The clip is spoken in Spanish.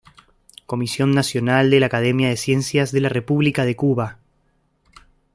Comisión Nacional de la Academia de Ciencias de la República de Cuba.